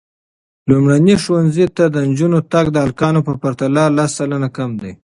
لومړني ښوونځي ته د نجونو تګ د هلکانو په پرتله لس سلنه کم دی.